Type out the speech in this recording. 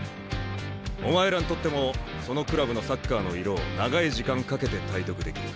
お前らにとってもそのクラブのサッカーのイロを長い時間かけて体得できる。